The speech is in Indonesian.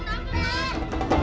pak kutamu pak